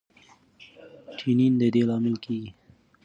ټینین د دې لامل کېږي.